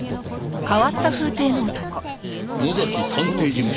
「野崎探偵事務所」。